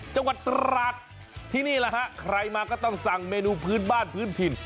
จังหวัดตราดที่นี่แหละฮะใครมาก็ต้องสั่งเมนูพื้นบ้านพื้นถิ่น